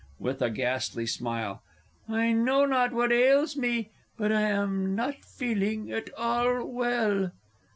(With a ghastly smile.) I know not what ails me, but I am not feeling at all well.